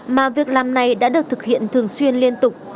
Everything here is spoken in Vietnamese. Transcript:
mà việc làm này đã được thực hiện thường xuyên liên tục